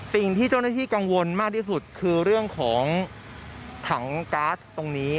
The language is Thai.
สิ่งที่เจ้าหน้าที่กังวลมากที่สุดคือเรื่องของถังก๊าซตรงนี้